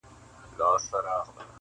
o ښه دی ښه دی قاسم یار چي دېوانه دی,